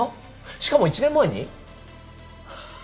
しかも１年前に？